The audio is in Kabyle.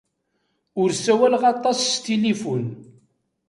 Ur sawaleɣ aṭas s tilifun.